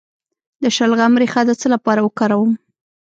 د شلغم ریښه د څه لپاره وکاروم؟